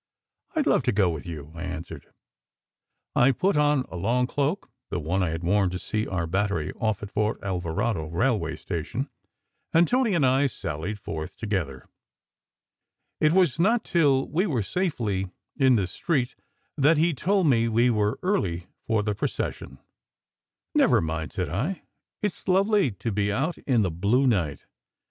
"I d love to go with you," I answered. I put on a long cloak, the one I had worn to see "our" battery off at Fort Alvarado railway station, and Tony and I sallied forth together. It was not till we were safely in the street that he told me we were early for the procession. SECRET HISTORY 131 "Never mind," said I. "It s lovely to be out in the blue night.